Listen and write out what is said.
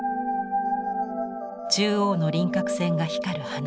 中央の輪郭線が光る花。